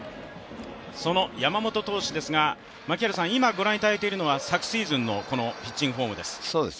その山本投手ですが、今、ご覧いただいているのは昨シーズンのピッチングフォームです。